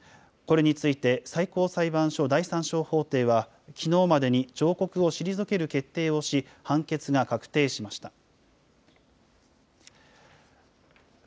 これについて、最高裁判所第３小法廷は、きのうまでに、上告を退ける決定をし、判決が確定しました。